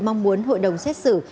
mong muốn hội đồng xét xử